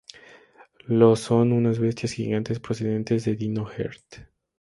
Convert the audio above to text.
Los son unas bestias gigantes procedentes de Dino Earth.